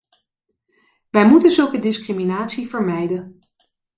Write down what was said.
Wij moeten zulke discriminatie vermijden.